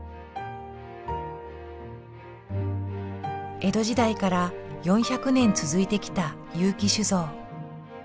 江戸時代から４００年続いてきた結城酒造。